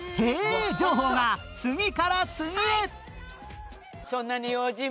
情報が次から次へ